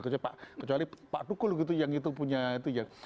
kecuali pak dukul gitu yang itu punya itu ya